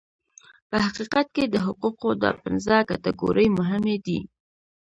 په حقیقت کې د حقوقو دا پنځه کټګورۍ مهمې دي.